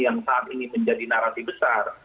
yang saat ini menjadi narasi besar